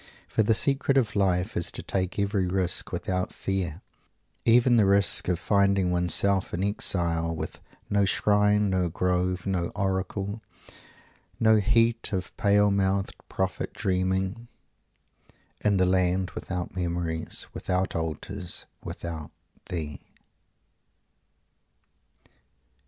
For the secret of life is to take every risk without fear; even the risk of finding one's self an exile, with "no shrine, no grove, no oracle, no heat of pale mouthed prophet dreaming" in the land without memories, without altars, without Thee!